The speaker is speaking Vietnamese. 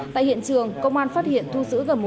tại hiện trường công an phát hiện thu giữ